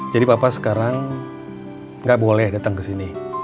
jadi papa sekarang gak boleh datang kesini